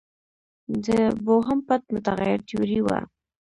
د بوهم پټ متغیر تیوري وه.